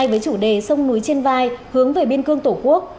năm nay với chủ đề sông núi trên vai hướng về biên cương tổ quốc